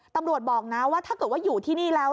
ตำรวจบอกนะว่าถ้าเกิดว่าอยู่ที่นี่แล้ว